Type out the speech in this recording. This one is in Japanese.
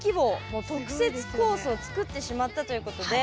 もう特設コースを作ってしまったということで。